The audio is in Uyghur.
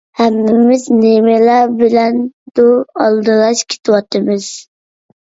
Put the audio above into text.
ھەممىمىز نېمىلەر بىلەندۇر ئالدىراش كېتىۋاتىمىز.